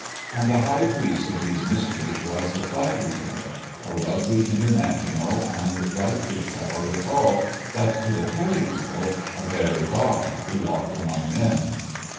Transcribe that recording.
And the high priest of these mysteries was the Flag Lieutenant, a Rugby International and right good fellow withal, but, to the Periwinkle, a very god who walked among men.